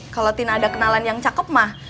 kalau tidak ada kenalan yang cakep mah